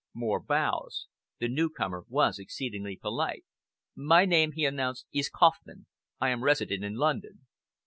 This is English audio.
More bows. The newcomer was exceedingly polite. "My name," he announced, "is Kauffman. I am resident in London."